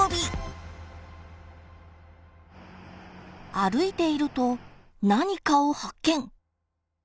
歩いていると何かを発見！